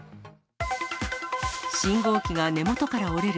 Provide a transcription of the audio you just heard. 信号機が根元から折れる。